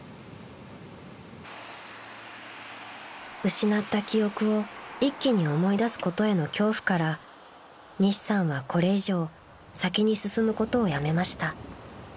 ［失った記憶を一気に思い出すことへの恐怖から西さんはこれ以上先に進むことをやめました］